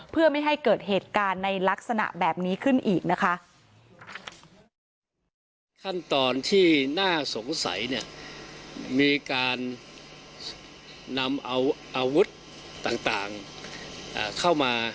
เพื่อไม่ให้เกิดเหตุการณ์ในลักษณะแบบนี้ขึ้นอีกนะคะ